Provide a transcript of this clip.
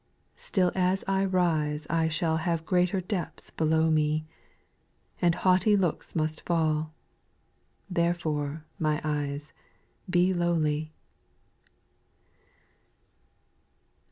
Still as I rise I shall Have greater depths below me, And haughty looks must fall, — Therefore, my eyes, be lowly.